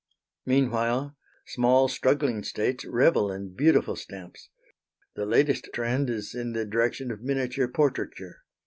Meanwhile, small struggling states revel in beautiful stamps. The latest trend is in the direction of miniature portraiture.